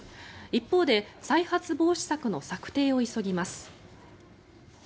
一方で再発防止策の策定を急ぎます。